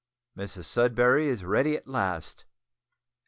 Mrs Sudberry is ready at last!